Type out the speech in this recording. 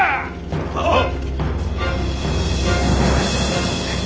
・はっ！